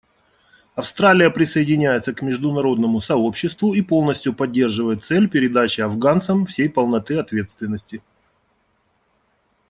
Австралия присоединяется к международному сообществу и полностью поддерживает цель передачи афганцам всей полноты ответственности.